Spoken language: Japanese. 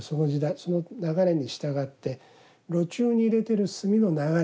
その流れに従って炉中に入れてる炭の流れ